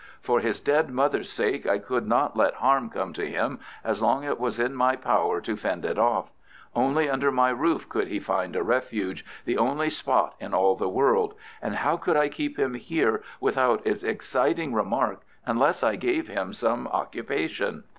For his dead mother's sake I could not let harm come to him as long as it was in my power to fend it off. Only under my roof could he find a refuge—the only spot in all the world—and how could I keep him here without its exciting remark unless I gave him some occupation?